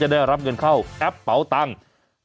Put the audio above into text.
หากใครที่เพิ่งสมัครใช้สิทธิ์โครงการคนละครึ่งเฟส๓